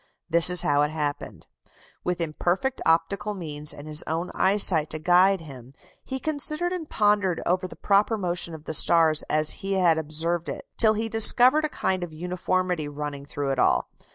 This is how it happened. With imperfect optical means and his own eyesight to guide him, he considered and pondered over the proper motion of the stars as he had observed it, till he discovered a kind of uniformity running through it all.